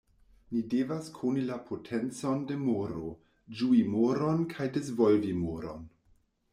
Ni devas koni la potencon de moro, ĝui moron kaj disvolvi moron.